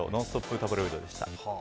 タブロイドでした。